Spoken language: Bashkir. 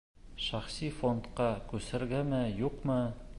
— Шәхси фондҡа күсергәме, юҡмы?